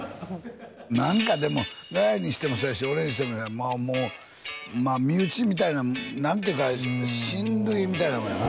何かでもガヤにしてもそうやし俺にしてももう身内みたいな何ていうかみたいなもんやな